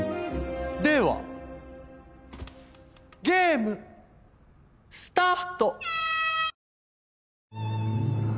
ではゲームスタート！